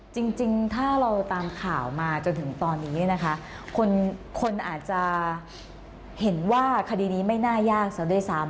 จริงถ้าเราตามข่าวมาจนถึงตอนนี้นะคะคนอาจจะเห็นว่าคดีนี้ไม่น่ายากซะด้วยซ้ำ